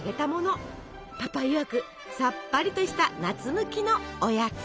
パパいわくサッパリとした夏向きのおやつ！